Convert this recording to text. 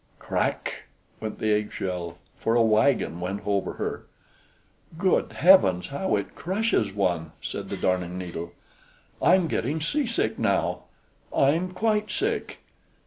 "Crack!" went the eggshell, for a wagon went over her. "Good Heavens, how it crushes one!" said the Darning needle. "I'm getting seasick now I'm quite sick."